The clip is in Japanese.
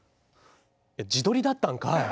えっ自撮りだったんかい。